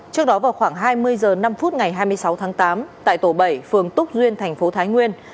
trước đó vào khoảng hai mươi h năm ngày hai mươi sáu tháng tám tại tổ bảy phường túc duyên thành phố thái nguyên